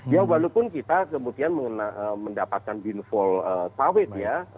ya walaupun kita kemudian mendapatkan binfoal sawit ya